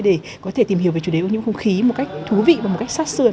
để có thể tìm hiểu về chủ đề ô nhiễm không khí một cách thú vị và một cách sát sườn